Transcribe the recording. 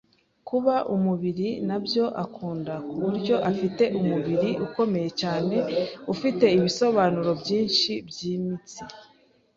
Kubaka umubiri nibyo akunda kuburyo afite umubiri ukomeye cyane ufite ibisobanuro byinshi byimitsi